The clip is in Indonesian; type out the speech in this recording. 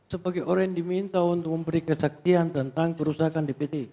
sebagai orang yang diminta untuk memberi kesaktian tentang kerusakan dpt